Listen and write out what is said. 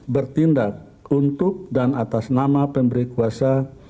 bertindak untuk dan atas nama pemberi kuasa